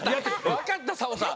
わかったサボさん。